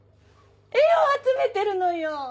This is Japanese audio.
絵を集めてるのよ。